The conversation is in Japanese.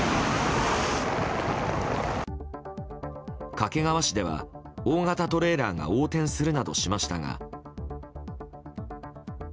掛川市では大型トレーラーが横転するなどしましたが。